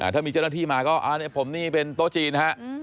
ถ้ามีเจ้าหน้าที่มาก็ผมนี่เป็นโต๊ะจีนฮะ